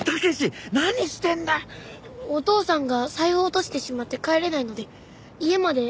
お父さんが財布を落としてしまって帰れないので家まで乗せてほしいんですけど。